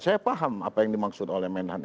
saya paham apa yang dimaksudnya